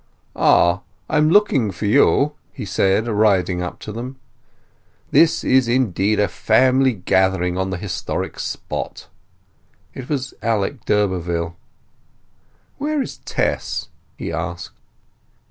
"Ah—I'm looking for you!" he said, riding up to them. "This is indeed a family gathering on the historic spot!" It was Alec d'Urberville. "Where is Tess?" he asked.